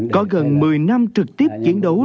có gần một mươi năm trực tiếp chiến đấu